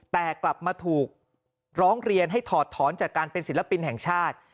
แต่กลับมาถูกร้องเรียนให้ถอดถอนจากการเป็นศิลปินแห่งชาติ